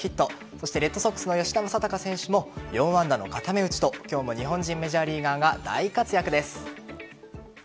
そしてレッドソックスの吉田正尚選手も４安打の固め打ちと今日も日本人メジャーリーガーが大活躍です。